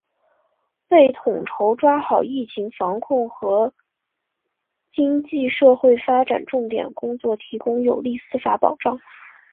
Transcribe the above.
为统筹抓好疫情防控和经济社会发展重点工作提供有力司法保障